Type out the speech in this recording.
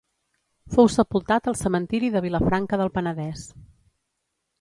Fou sepultat al Cementiri de Vilafranca del Penedès.